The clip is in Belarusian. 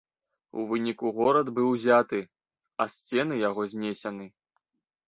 У выніку горад быў узяты, а сцены яго знесены.